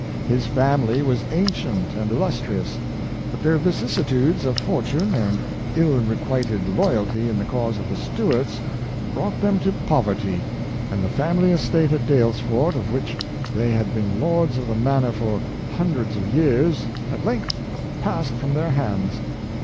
His family was ancient and illustrious; but their vicissitudes of fortune and ill requited lo3^alty in the cause of the Stuarts, brought them to poverty, and the fami ly estate at Daylesford, of which they had been lords of the manor for hundreds of years, at length passed from their hands.